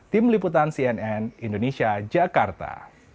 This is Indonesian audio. tim liputan cnn indonesia jakarta